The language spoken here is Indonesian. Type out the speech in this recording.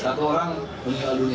satu orang meninggal dunia